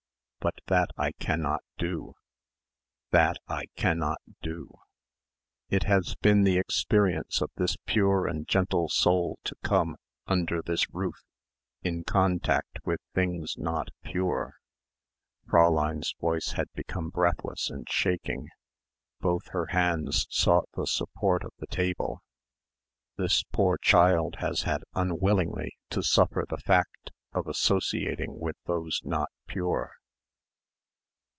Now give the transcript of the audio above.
But that I cannot do. "That I cannot do. "It has been the experience of this pure and gentle soul to come, under this roof, in contact with things not pure." Fräulein's voice had become breathless and shaking. Both her hands sought the support of the table. "This poor child has had unwillingly to suffer the fact of associating with those not pure."